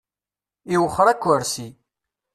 Iwexxer akersi.